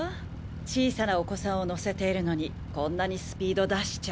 小さなお子さんを乗せているのにこんなにスピード出しちゃ。